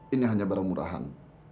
ini hanya barang murahan